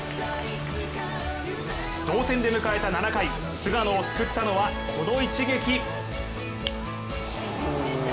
同点で迎えた７回菅野を救ったのはこの一撃。